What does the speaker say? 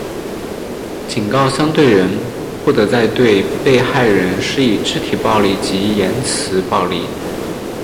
警告相对人不得再对被害人施以肢体暴力及言词暴力。